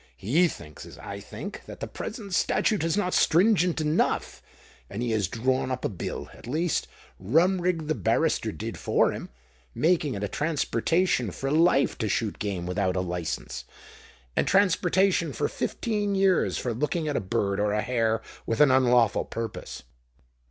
"He thinks—as I think—that the present statute is not stringent enough; and he has drawn up a bill—at least, Rumrigg the barrister did for him—making it transportation for life to shoot game without a license, and transportation for fifteen years for looking at a bird or a hare with an unlawful purpose."